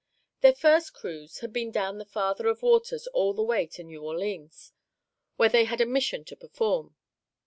Their first cruise had been down the Father of Waters all the way to New Orleans, where they had a mission to perform.